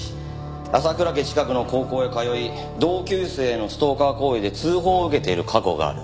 浅倉家近くの高校へ通い同級生へのストーカー行為で通報を受けている過去がある。